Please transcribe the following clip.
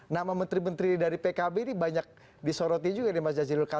nama menteri menteri dari pkb ini banyak disoroti juga nih mas jazilul